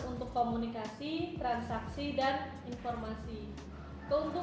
untuk komunikasi transaksi dan informasi